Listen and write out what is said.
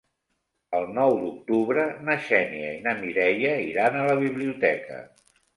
El nou d'octubre na Xènia i na Mireia iran a la biblioteca.